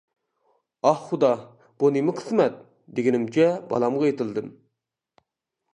«ئاھ، خۇدا، بۇ نېمە قىسمەت؟ » دېگىنىمچە بالامغا ئېتىلدىم.